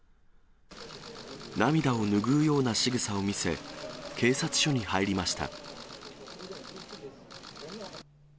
涙を拭うようなしぐさを見せ、警察署に入りました。